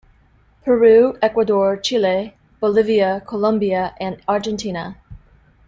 Peru, Ecuador, Chile, Bolivia, Colombia and Argentina.